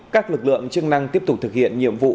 các lực lượng chức năng tiếp tục thực hiện nhiệm vụ